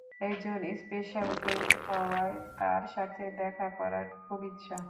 একজন special grade হওয়ায়, তার সাথে দেখা করার খুব ইচ্ছা।